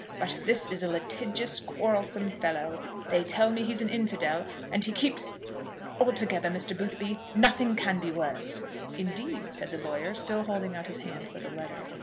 But this is a litigious, quarrelsome fellow. They tell me he's an infidel, and he keeps ! Altogether, Mr. Boothby, nothing can be worse." "Indeed!" said the lawyer, still holding out his hand for the letter.